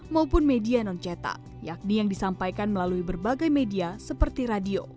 maupun media non cetak yakni yang disampaikan melalui berbagai media seperti radio